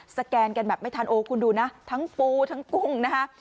สแกนกันแบบไม่ทันโอ้คุณดูนะทั้งปูทั้งกุ้งนะคะ